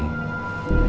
putri saya beda lagi